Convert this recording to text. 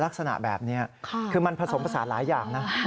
ลักษณะแบบนี้คือมันผสมผสานหลายอย่างนะ